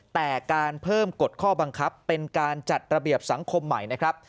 แต่การเพิ่มกฎข้อบังคับเป็นการจัดระเบียบสังคมใหม่นะครับ